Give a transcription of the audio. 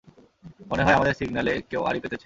মনে হয়, আমাদের সিগন্যালে কেউ আড়ি পেতেছে!